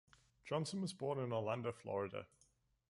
Johnson was born in Orlando, Florida.